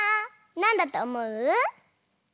なんだとおもう？